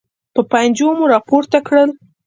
په پنجو به مو راپورته کړل.